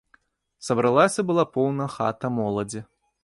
Сабралася была поўна хата моладзі.